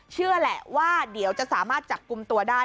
เชื่อแหละว่าเดี๋ยวจะสามารถจับกลุ่มตัวได้